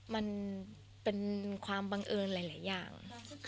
มันเป็นความบังเอิญหลายอย่าง